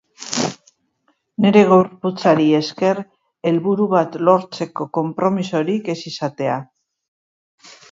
Nire gorputzari esker helburu bat lortzeko konpromisorik ez izatea.